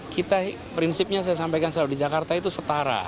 kita prinsipnya saya sampaikan selalu di jakarta itu setara